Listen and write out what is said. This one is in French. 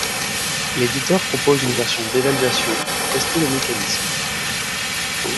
L'éditeur propose une version d'évaluation pour tester le mécanisme.